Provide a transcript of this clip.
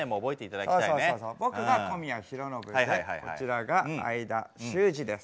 僕が小宮浩信でこちらが相田周二です。